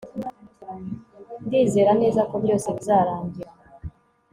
ndizera neza ko byose bizarangira